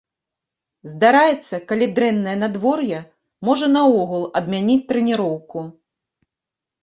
Здараецца, калі дрэннае надвор'е, можа наогул адмяніць трэніроўку.